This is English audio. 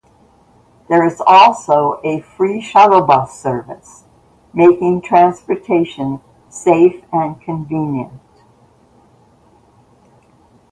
There is also a free shuttle bus service, making transportation safe and convenient.